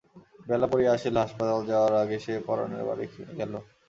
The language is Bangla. বেলা পড়িয়া আসিলে হাসপাতালে যাওয়ার আগে সে পরানের বাড়ি গেল।